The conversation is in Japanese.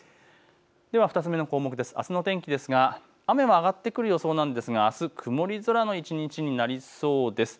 ２つ目の項目、あすの天気ですが雨が上がってくる予想なんですがあす曇り空の一日になりそうです。